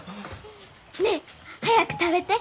ねえ早く食べて。